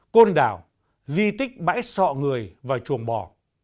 côn đảo di tích bãi sọ người và chuồng bò